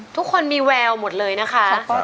ทุกคนมีแววหมดเลยนะคะ